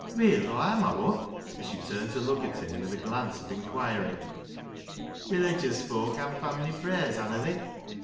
" Weel, Aw am, Aw whop " (hope), and she turned to look at him with a glance of inquiry. " Religious foak han family prayers, hanna they